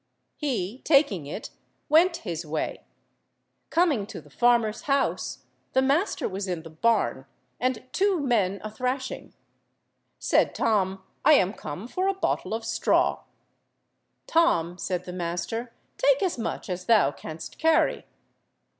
He, taking it, went his way. Coming to the farmer's house, the master was in the barn, and two men a–thrashing. Said Tom— "I am come for a bottle of straw." "Tom," said the master, "take as much as thou canst carry."